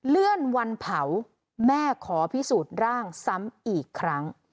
เลื่อนวันเผาแม่ขอพิสูจน์ร่างซ้ำอีกครั้ง